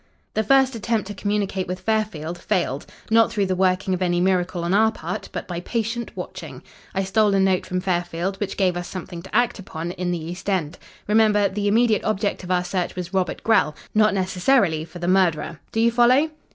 "The first attempt to communicate with Fairfield failed, not through the working of any miracle on our part, but by patient watching. I stole a note from Fairfield, which gave us something to act upon, in the East End. Remember, the immediate object of our search was Robert Grell not necessarily for the murderer. Do you follow?"